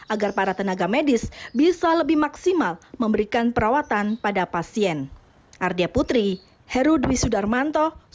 agar para tenaga medis bisa lebih maksimal memberikan perawatan pada pasien